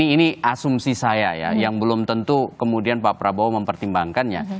ini asumsi saya ya yang belum tentu kemudian pak prabowo mempertimbangkannya